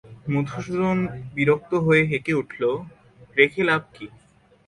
মধুসূদন বিরক্ত হয়ে হেঁকে উঠল, রেখে লাভ কী?